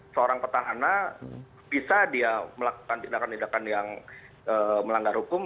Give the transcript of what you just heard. seorang petahana bisa dia melakukan tindakan tindakan yang melanggar hukum